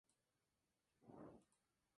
Todo sin bajas propias, siquiera heridos.